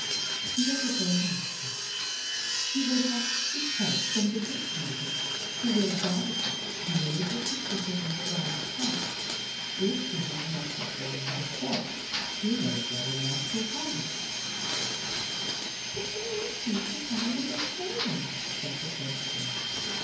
The other bird answered, 'He will have to seek help from the Witch maiden, who will doubtless be able to put him on the right track. If she has not got the ring herself, she knows well enough who has it.' [Footnote 3: Höllenmädchen.] 'But where is he to find the Witch maiden?' said the first bird.